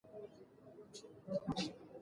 زه ستا په خبره پوهه نه شوم